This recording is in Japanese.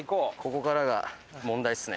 ここからが問題ですね。